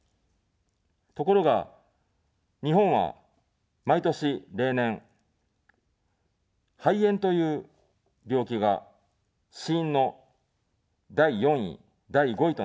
ところが、日本は毎年、例年、肺炎という病気が死因の第４位、第５位となっています。